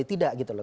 tidak gitu loh